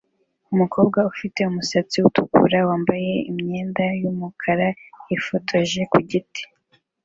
Umukobwa ufite umusatsi utukura-wambaye imyenda yumukara yifotoje ku giti